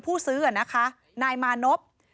ผู้ซื้อนะคะนายมานพ